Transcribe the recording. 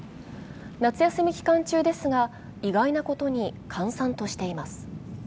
夏休み期間中ですが意外なことに閑散としています。